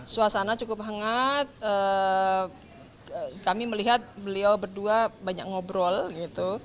suasana cukup hangat kami melihat beliau berdua banyak ngobrol gitu